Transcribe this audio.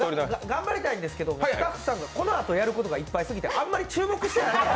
頑張りたいんですけどスタッフさんがこのあとやること多すぎてあんまり注目してないんです。